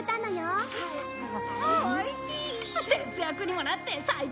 節約にもなって最高！